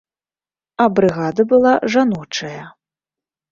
А брыгада была жаночая.